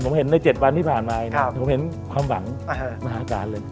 ผมเห็นใน๗วันที่ผ่านมาผมเห็นความหวังมหาการเลย